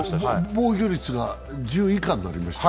防御率が１０以下になりましたよ。